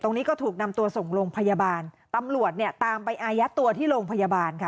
ตรงนี้ก็ถูกนำตัวส่งโรงพยาบาลตำรวจเนี่ยตามไปอายัดตัวที่โรงพยาบาลค่ะ